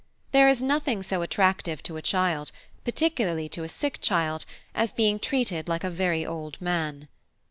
There is nothing so attractive to a child, particularly to a sick child, as being treated like a very old man.